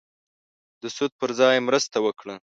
د سود پر ځای مرسته وکړه.